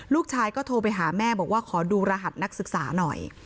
ลูกชายก็โทรไปหาแม่บอกว่าขอดูรหัสนักศึกษาหน่อย